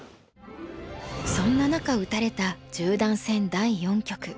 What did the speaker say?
そんな中打たれた十段戦第四局。